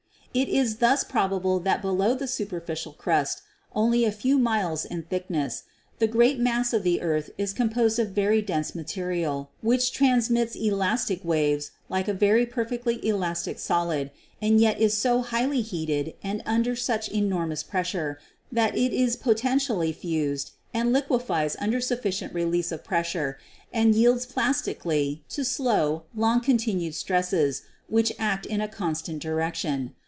"It is thus probable that below the superficial crust, only a few miles in thickness, the great mass of the earth is composed of very dense material, which transmits elastic waves like a very perfectly elastic solid, and yet is so highly heated and under such enormous pressure that it is potentially fused and liquefies upon sufficient release of VULCANISM 127 pressure, and yields plastically to slow, long continued stresses which act in a constant direction.